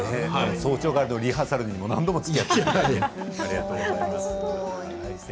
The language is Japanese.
早朝からリハーサルに何度もつきあってくださって。